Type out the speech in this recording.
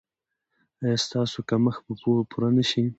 ایا ستاسو کمښت به پوره نه شي؟